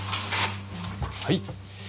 はい。